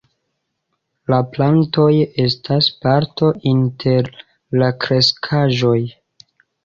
La plantoj estas parto inter la kreskaĵoj.